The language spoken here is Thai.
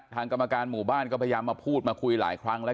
กรรมการหมู่บ้านก็พยายามมาพูดมาคุยหลายครั้งแล้ว